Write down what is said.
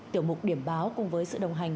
tiểu mục điểm báo cùng với sự đồng hành